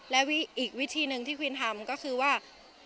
และอีกวิธีหนึ่งที่ควีนทำก็คือว่า